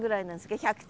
１００点。